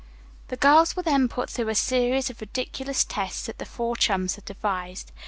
The girls were then put through a series of ridiculous tests that the four chums had devised.